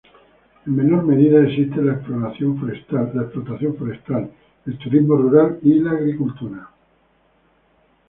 En menor medida existe la explotación forestal, el turismo rural y la agricultura.